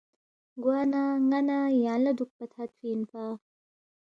گوانہ ن٘ا نہ یانگ لہ دُوکپا تھدفی اِنپا